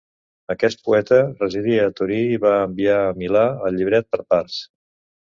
Aquest poeta residia a Torí i va enviar a Milà el llibret per parts.